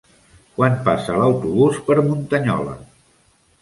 Quan passa l'autobús per Muntanyola?